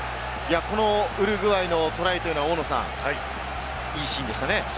ウルグアイのトライは大野さん、いいシーンでしたね。